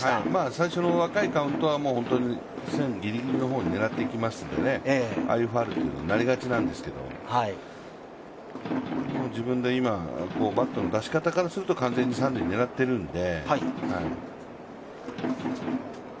最初の若いカウントは線ぎりぎりの方に狙ってきますのでああいうファウルになりがちなんですけど、自分で今、バントの出し方からすると完全に三塁を狙っているので。